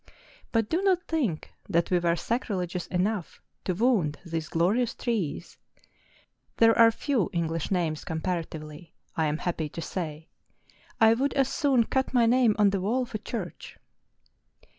But do not think that we were sacrilegious enough to wound these glorious trees ; there are few English names com¬ paratively, I am happy to say,— I would as soon cut my name on the wall of a church.